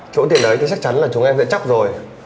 chỗ tiền đấy thì chắc chắn là chúng em sẽ chắc rồi